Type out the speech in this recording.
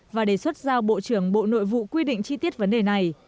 và đề xuất giao bộ trưởng bộ nội vụ quy định chi tiết vấn đề này